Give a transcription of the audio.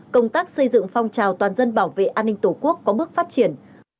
công tác xây dựng phong trào toàn dân bảo vệ an ninh tổ quốc có bước phát triển